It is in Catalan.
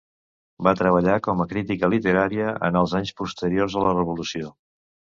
Va treballar com a crítica literària en els anys posteriors a la revolució.